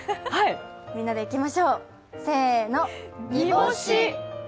みんなでいきましょう、せーの、煮干し。